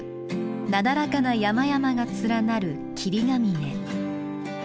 なだらかな山々が連なる霧ヶ峰。